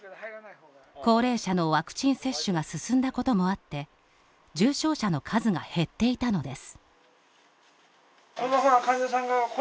高齢者のワクチン接種が進んだこともあって重症者の数が減っていたのです。